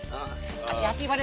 hati hati pada ya